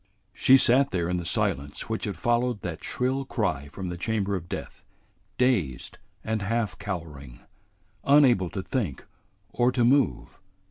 She sat there in the silence which had followed that shrill cry from the chamber of death, dazed and half cowering, unable to think or to move.